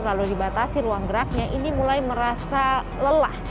lalu dibatasi ruang geraknya ini mulai merasa lelah